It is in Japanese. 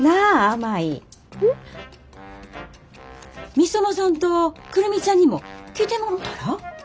御園さんと久留美ちゃんにも来てもろたら？